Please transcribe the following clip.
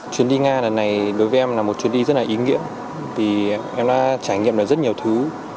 chuyến đi nga lần này đối với em là một chuyến đi rất là ý nghĩa vì em đã trải nghiệm được rất nhiều thứ